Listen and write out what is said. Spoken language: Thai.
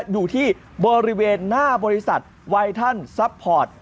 อยู่ที่บริเวณหน้าบริษัทไวทันซัพพอร์ต